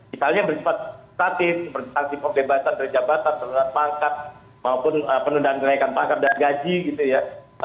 misalnya beri suatu statistik beri sanksi pembebasan dari jabatan terhadap pangkat maupun penundaan kenaikan pangkat dan gaji gitu ya